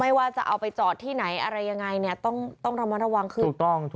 ว่าจะเอาไปจอดที่ไหนอะไรยังไงเนี่ยต้องระมัดระวังขึ้นถูกต้อง